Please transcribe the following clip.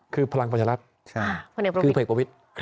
คือพลังแพทยาลัทคือผัวเอกประวิทธิ์